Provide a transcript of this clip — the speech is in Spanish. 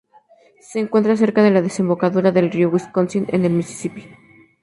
Se encuentra cerca de la desembocadura del río Wisconsin en el Misisipí.